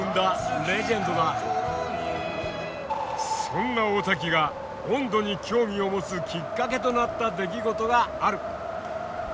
そんな大瀧が音頭に興味を持つきっかけとなった出来事がある。